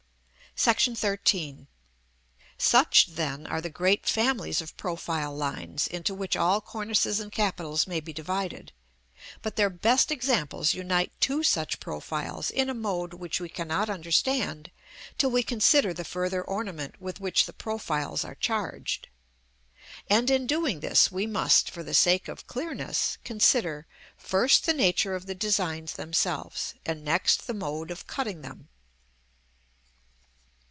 § XIII. Such, then, are the great families of profile lines into which all cornices and capitals may be divided; but their best examples unite two such profiles in a mode which we cannot understand till we consider the further ornament with which the profiles are charged. And in doing this we must, for the sake of clearness, consider, first the nature of the designs themselves, and next the mode of cutting them.